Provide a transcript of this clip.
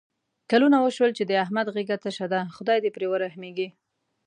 کلونه وشول چې د احمد غېږه تشه ده. خدای دې پرې ورحمېږي.